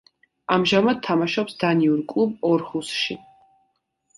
ამჟამად თამაშობს დანიურ კლუბ „ორჰუსში“.